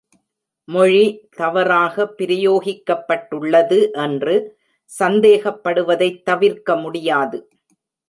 மொழி தவறாக பிரயோகிக்கப்பட்டுள்ளது என்று சந்தேகப்படுவதைத் தவிர்க்க முடியாது.